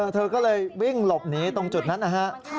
เธอก็เลยวิ่งหลบหนีตรงจุดนั้นนะฮะ